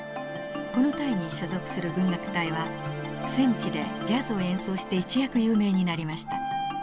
この隊に所属する軍楽隊は戦地でジャズを演奏して一躍有名になりました。